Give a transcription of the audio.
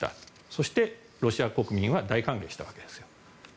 そして、ロシア国民は大歓迎したわけですよ。